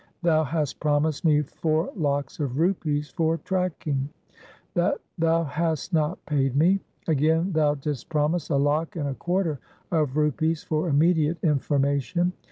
Thou hast promised me four lakhs of rupees for tracking. SIKH. IV N 178 THE SIKH RELIGION That thou hast not paid me. Again, thou didst promise a lakh and a quarter of rupees for immediate information.